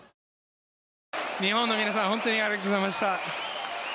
日本の皆さん本当にありがとうございました。